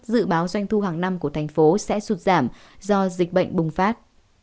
dự báo doanh thu hàng năm của thành phố sẽ sụt giảm do dịch bệnh bùng phát